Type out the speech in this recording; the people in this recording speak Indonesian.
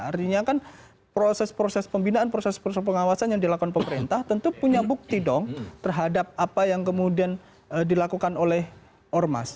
artinya kan proses proses pembinaan proses proses pengawasan yang dilakukan pemerintah tentu punya bukti dong terhadap apa yang kemudian dilakukan oleh ormas